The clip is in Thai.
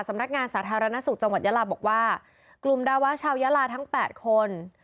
สำนักงานสาธารณสุขจังหวัดยาลาบอกว่ากลุ่มดาวะชาวยาลาทั้ง๘คน